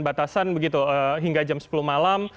batasan begitu hingga jam sepuluh malam